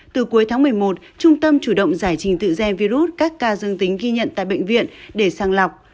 từ cuối tháng một mươi một trung tâm chủ động giải trình tự gen virus các ca dương tính ghi nhận tại bệnh viện để sang lọc